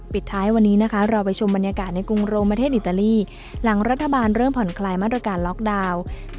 ปิดท้ายวันนี้นะคะเราไปชมบรรยากาศในกรุงโรงประเทศอิตาลีหลังรัฐบาลเริ่มผ่อนคลายมาตรการล็อกดาวน์